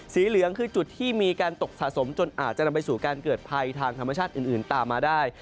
เหลืองคือจุดที่มีการตกสะสมจนอาจจะนำไปสู่การเกิดภัยทางธรรมชาติอื่นตามมาได้